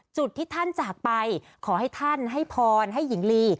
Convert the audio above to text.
จุดที่ท่านจากไปขอให้ท่านให้พรให้หญิงลี